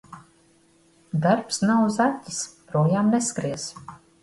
Darbs nav zaķis – projām neskries.